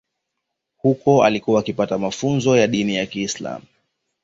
Huko alikuwa akipata mafunzo ya dini ya Kiislam